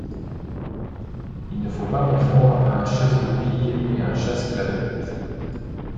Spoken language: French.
Il ne faut pas confondre un chasse-goupille et un chasse-clavette.